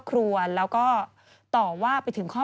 คุณค่ะคุณค่ะ